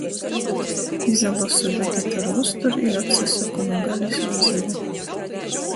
Izalosu vegetaru uzturu i atsasoku nu galis voi zyvu.